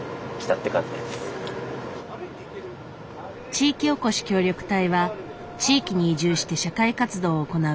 地域おこし協力隊は地域に移住して社会活動を行う国の制度。